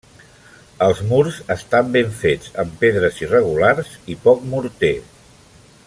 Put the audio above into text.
Els murs estan ben fets amb pedres irregulars i poc morter.